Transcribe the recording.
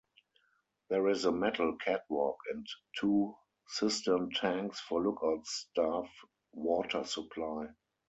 There is a metal catwalk and two cistern tanks for lookout staff water supply.